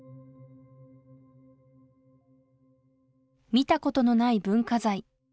「見たことのない文化財」。